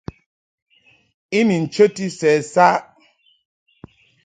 I ni nchəti sɛ saʼ.